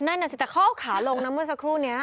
นั่นน่ะสิแต่เขาเอาขาลงนะเมื่อสักครู่นี้